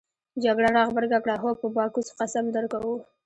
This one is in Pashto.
جګړن راغبرګه کړه: هو په باکوس قسم درکوو.